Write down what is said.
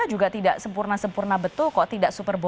oh kpk juga tidak sempurna sempurna betul kok tidak super baik